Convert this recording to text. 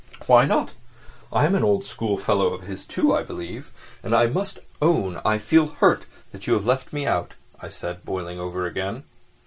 "Why not? I am an old schoolfellow of his, too, I believe, and I must own I feel hurt that you have left me out," I said, boiling over again.